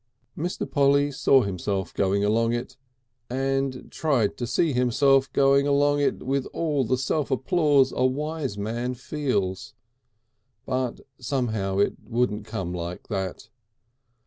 Mr. Polly saw himself going along it, and tried to see himself going along it with all the self applause a wise man feels. But somehow it wouldn't come like that.